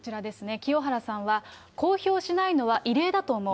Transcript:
清原さんは、公表しないのは異例だと思う。